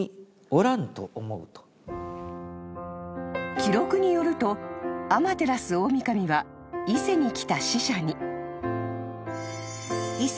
［記録によると天照大御神は伊勢に来た使者に］